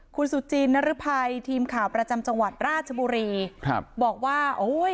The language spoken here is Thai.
คุณสุจินนรภัยทีมข่าวประจำจังหวัดราชบุรีครับบอกว่าโอ้ย